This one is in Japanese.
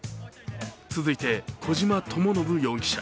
続いて、小島智信容疑者。